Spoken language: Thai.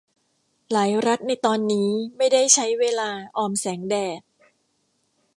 หลายรัฐในตอนนี้ไม่ได้ใช้เวลาออมแสงแดด